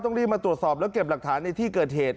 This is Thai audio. รีบมาตรวจสอบแล้วเก็บหลักฐานในที่เกิดเหตุ